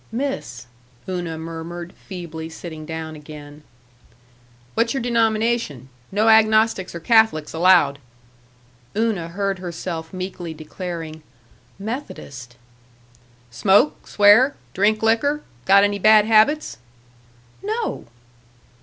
"Miss," Una murmured, feebly sitting down again. "What's your denomination?... No agnostics or Catholics allowed!" Una heard herself meekly declaring, "Methodist." "Smoke? Swear? Drink liquor? Got any bad habits?" "No!"